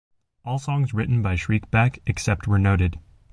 All songs written by Shriekback except where noted.